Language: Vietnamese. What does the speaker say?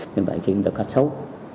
nhưng vậy khiến người ta khát xấu